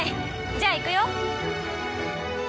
じゃあいくよ。